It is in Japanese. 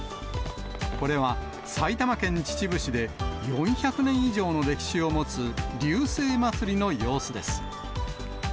これは埼玉県秩父市で４００年以上の歴史を持つ龍勢祭の様子です。